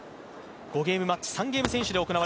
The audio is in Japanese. ５ゲームマッチ、３ゲーム先取です。